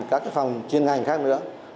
các cái phòng chuyên ngành khác nữa